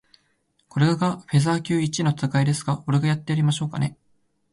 これがフェザー級一位の戦いですか？俺がやってやりましょうかね。